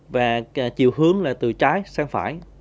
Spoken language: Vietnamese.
và chiều hướng là từ trái sang phải